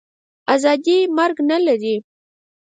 آزادي مرګ نه لري.